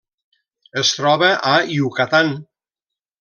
Es troba a Yucatán.